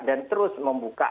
dan terus membuka